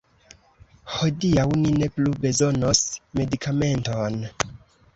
Hodiaŭ ni ne plu bezonos medikamenton!